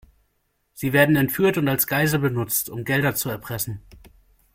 Sie werden entführt und als Geisel benutzt, um Gelder zu erpressen.